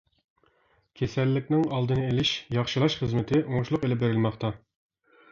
كېسەللىكنىڭ ئالدىنى ئېلىش-ياخشىلاش خىزمىتى ئوڭۇشلۇق ئېلىپ بېرىلماقتا.